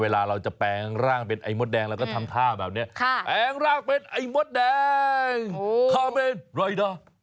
เวลาเราจะแปลงร่างเป็นไอมดแดงแล้วก็ทำท่าแบบนี้